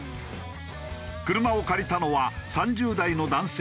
車を借りたのは３０代の男性２人組。